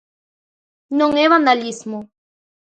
Non é vandalismo.